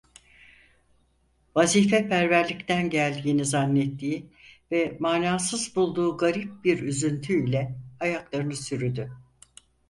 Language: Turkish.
Vazifeperverlikten geldiğini zannettiği ve manasız bulduğu garip bir üzüntü ile ayaklarını sürüdü.